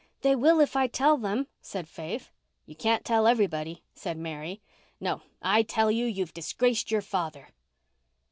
"They will if I tell them," said Faith. "You can't tell everybody," said Mary. "No, I tell you you've disgraced your father."